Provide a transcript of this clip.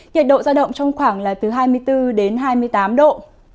nhiệt độ giao động trong khoảng là từ hai mươi bốn đến hai mươi tám độ